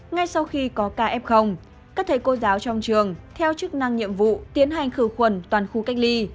ngay sau khi có caf các thầy cô giáo trong trường theo chức năng nhiệm vụ tiến hành khử khuẩn toàn khu cách ly